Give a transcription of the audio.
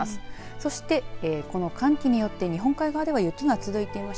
そしてこの寒気によって日本海側では雪が続いていました。